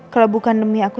kalo bukan demi aku